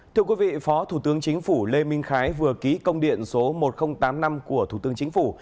thưa quý vị phó thủ tướng chính phủ lê minh khái vừa ký công điện số một nghìn tám mươi năm của thủ tướng chính phủ